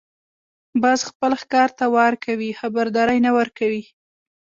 باز خپل ښکار ته وار کوي، خبرداری نه ورکوي